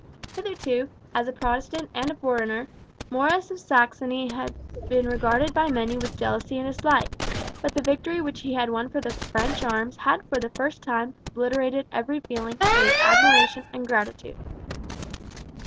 Hitherto, as a Protestant and a foreigner, Maurice of Saxony had been regarded by many with jealousy and dislike; but the victory which he had won for the French arms had for the first time obliterated every feeling save admiration and gratitude.